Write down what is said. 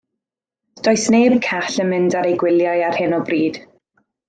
Does neb call yn mynd ar eu gwyliau ar hyn o bryd.